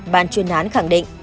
ban chuyên nán khẳng định